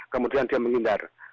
kemudian dia menghindar